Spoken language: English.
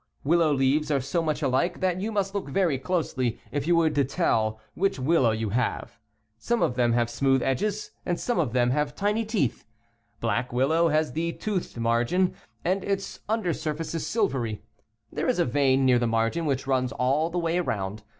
Willow leaves are so much alike that you must look very closely if you would tell which willow you 9. Stipules on Young Shoots. 13 have. Some of them have smooth edges, and some of them have tiny teeth. Black Willow has the toothed margin and its under surface is silvery. There is a vein near the margin which runs all the way around.